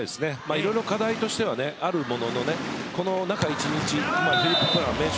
いろいろ課題としてはあるもののこの中１日名将